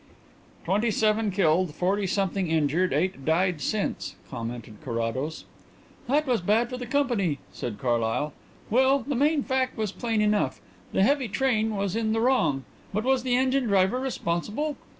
'" "Twenty seven killed, forty something injured, eight died since," commented Carrados. "That was bad for the Co.," said Carlyle. "Well, the main fact was plain enough. The heavy train was in the wrong. But was the engine driver responsible?